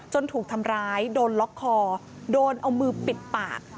ถูกทำร้ายโดนล็อกคอโดนเอามือปิดปาก